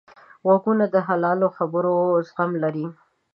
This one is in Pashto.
غوږونه د حلالو خبرو زغم لري